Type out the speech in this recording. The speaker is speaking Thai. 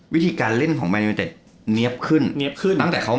วิธีการเล่นของแมนยูเต็ดเนี๊ยบขึ้นเนี๊ยบขึ้นตั้งแต่เขา